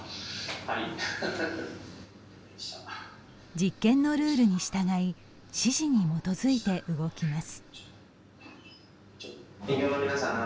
実験のルールに従い指示に基づいて動きます。